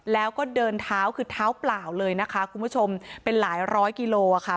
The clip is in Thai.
แล้วก็เดินเท้าคือเท้าเปล่าเลยนะคะคุณผู้ชมเป็นหลายร้อยกิโลอ่ะค่ะ